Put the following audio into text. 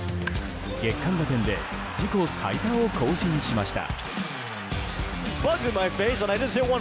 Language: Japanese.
月間打点で自己最多を更新しました。